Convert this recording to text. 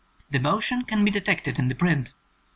The motion can be detected in the print.